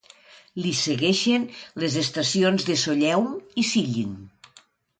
Li segueixen les estacions de Seolleung i Sillim.